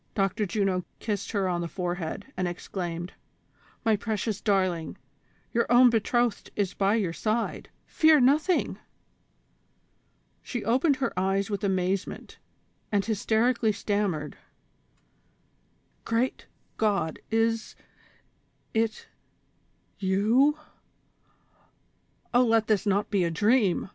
Dr. Juno kissed her on the forehead, and exclaimed : "My precious darling, your own betrothed is by your side ; fear nothing." She opened her eyes with amazement, and hysterically stammered :" Great God, is i — t y — o — u ? O let this not be a dream